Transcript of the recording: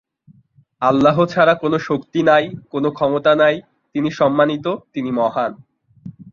আল্লাহ ছাড়া কোনো শক্তি নাই, কোনো ক্ষমতা নাই, তিনি সম্মানিত, তিনি মহান।